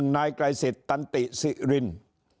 ๑นายไกรศิษย์ตันติศิรินทร์